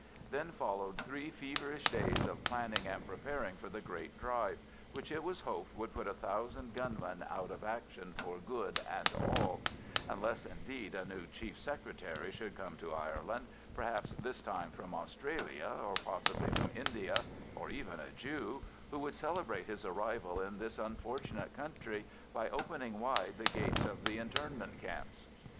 Then followed three feverish days of planning and preparing for the great drive, which it was hoped would put a thousand gunmen out of action for good and all; unless indeed a new Chief Secretary should come to Ireland, perhaps this time from Australia or possibly from India, or even a Jew, who would celebrate his arrival in this unfortunate country by opening wide the gates of the internment camps.